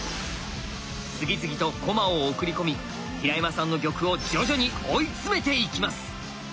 次々と駒を送り込み平山さんの玉を徐々に追い詰めていきます。